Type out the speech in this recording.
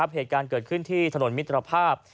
เหตุการณ์เกิดขึ้นที่ถนนมิตรภาพ